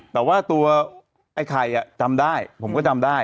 แต่ว่าตัวไอ้ไข่จำได้ผมก็จำได้